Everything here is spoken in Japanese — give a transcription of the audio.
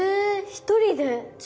１人で？